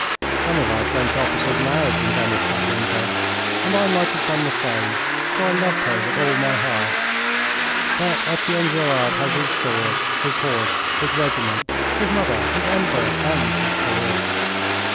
Some of our French officers married in Venice that winter, and I might have done the same, for I loved her with all my heart; but Etienne Gerard has his sword, his horse, his regiment, his mother, his Emperor, and his career.